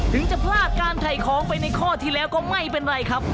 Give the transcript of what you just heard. ถึงจะพลาดการถ่ายของไปในข้อที่แล้วก็ไม่เป็นไรครับ